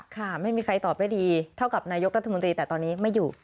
ค่ะไม่มีใครตอบได้ดีเท่ากับนายกรัฐมนตรีแต่ตอนนี้ไม่อยู่